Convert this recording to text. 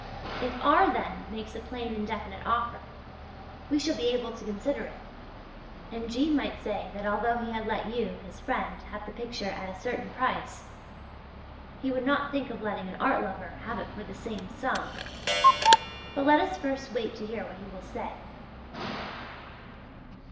If R. then makes a plain and definite offer, we shall be able to consider it and G. might say that although he had let you, his friend, have the picture at a certain price, he would not think of letting an art lover have it for the same sum. But let us first wait to hear what he will say.